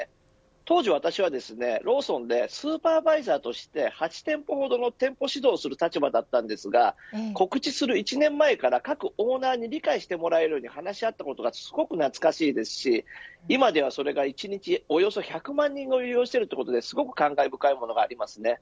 当時、私はローソンでスーパーバイザーとして８店舗ほどの店舗指導をする立場だったんですが告知する１年前から各オーナーに理解してもらえるように話し合ったことがすごく懐かしいですし今ではそれが１日およそ１００万人も利用しているということですごく感慨深いです。